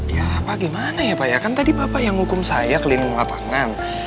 ya apa gimana ya pak kan tadi bapak yang ngukum saya kelindung lapangan